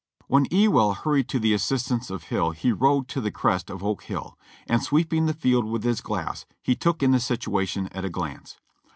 \Mien Ewell hurried to the assistance of Hill he rode to the crest of Oak Hill, and sweeping the field with his glass he took in the situation at a glance.